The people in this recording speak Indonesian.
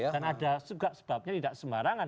dan ada sebabnya tidak sembarangan